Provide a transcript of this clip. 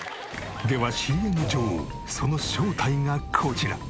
ではＣＭ女王その正体がこちら。